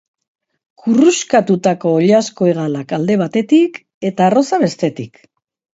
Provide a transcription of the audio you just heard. Kurruxkatutako oilasko hegalak alde batetik, eta arroza bestetik.